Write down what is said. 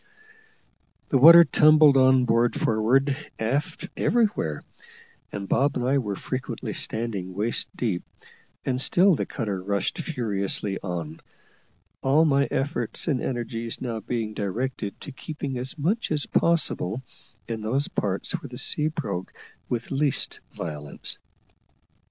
The water tumbled on board forward, aft, everywhere, and Bob and I were frequently standing waist deep; and still the cutter rushed furiously on, all my efforts and energies now being directed to keeping as much as possible in those parts where the sea broke with least violence.